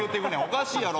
おかしいやろ。